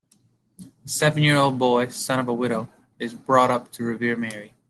A seven-year-old school-boy, son of a widow, is brought up to revere Mary.